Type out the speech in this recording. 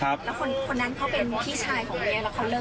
แล้วคนนั้นเขาเป็นพี่ชายของเมีย